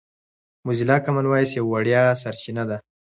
موزیلا کامن وایس یوه وړیا سرچینه ده.